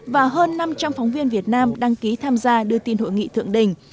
và hơn năm trăm linh phóng viên việt nam đăng ký tham gia đưa tin hội nghị thượng đỉnh